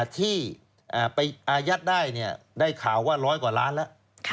ที่ไปอายัดได้ได้ข่าวว่าร้อยกว่าล้านแล้ว